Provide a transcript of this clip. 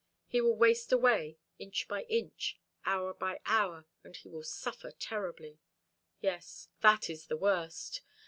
He will waste away inch by inch, hour by hour, and he will suffer terribly. Yes, that is the worst.